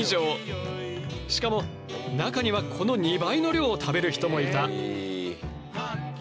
しかも中にはこの２倍の量を食べる人もいた。